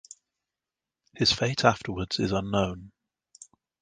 His fate afterwards is unknown.